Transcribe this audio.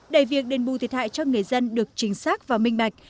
để việc đền bù thiệt hại cho người dân được chính xác và minh bạch